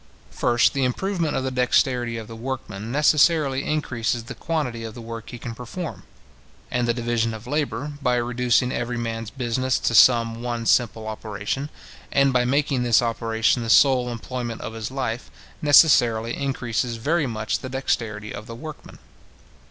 First, the improvement of the dexterity of the workmen, necessarily increases the quantity of the work he can perform; and the division of labour, by reducing every man's business to some one simple operation, and by making this operation the sole employment of his life, necessarily increases very much the dexterity of the workman.